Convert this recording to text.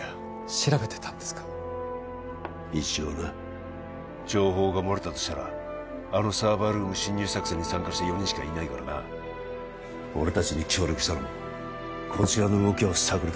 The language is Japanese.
調べてたんですか一応な情報が漏れたとしたらあのサーバールーム侵入作戦に参加した４人しかいないからな俺達に協力したのもこちらの動きを探る